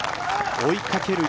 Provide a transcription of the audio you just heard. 追いかける